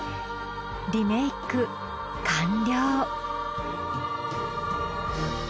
リメイク完了。